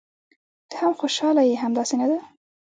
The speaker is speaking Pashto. ته هم خوشاله یې، همداسې نه ده؟